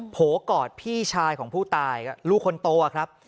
โวกอดพี่ชายของผู้ตายลูกคนโตครับ